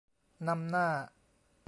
นำหน้า